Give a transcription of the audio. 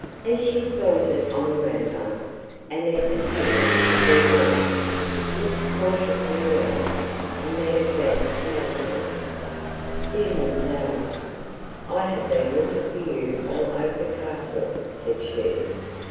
As she sauntered on the rampart, Annette appeared at the hall door, looked cautiously round, and then advanced to meet her. "Dear ma'amselle, I have been looking for you all over the castle," said she.